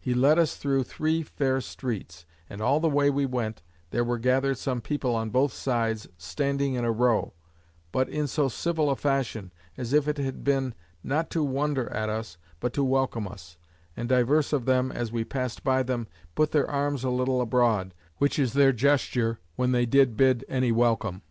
He led us through three fair streets; and all the way we went, there were gathered some people on both sides, standing in a row; but in so civil a fashion, as if it had been, not to wonder at us, but to welcome us: and divers of them, as we passed by them, put their arms a little abroad; which is their gesture, when they did bid any welcome.